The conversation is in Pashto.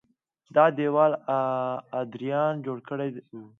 دا دېوال ادریان جوړ کړی و